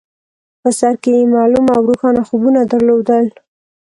په سر کې يې معلوم او روښانه خوبونه درلودل.